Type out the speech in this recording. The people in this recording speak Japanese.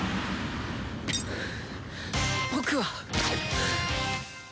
僕は。